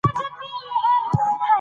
هوا د افغانستان د جغرافیې بېلګه ده.